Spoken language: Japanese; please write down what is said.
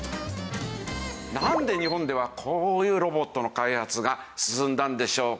なんで日本ではこういうロボットの開発が進んだんでしょうか？